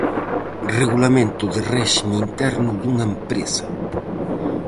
Regulamento de réxime interno dunha empresa.